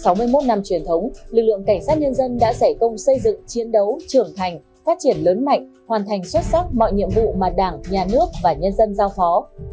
sau sáu mươi một năm truyền thống lực lượng cảnh sát nhân dân đã giải công xây dựng chiến đấu trưởng thành phát triển lớn mạnh hoàn thành xuất sắc mọi nhiệm vụ mà đảng nhà nước và nhân dân giao phó